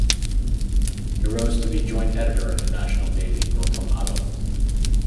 He rose to be joint editor of the national daily "Prothom Alo".